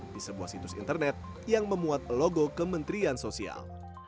di sebuah situs internet yang memuat logo kementerian sosial